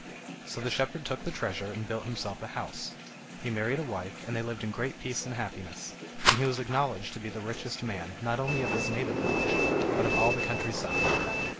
So the shepherd took the treasure and built himself a house. He married a wife, and they lived in great peace and happiness, and he was acknowledged to be the richest man, not only of his native village, but of all the country side.